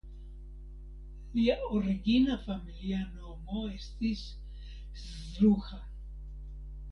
Lia origina familia nomo estis "Szluha".